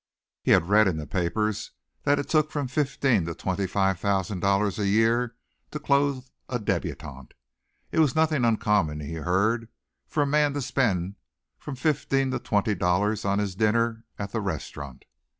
He had read in the papers that it took from fifteen to twenty five thousand dollars a year to clothe a débutante. It was nothing uncommon, he heard, for a man to spend from fifteen to twenty dollars on his dinner at the restaurant.